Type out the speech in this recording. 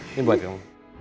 ini buat kamu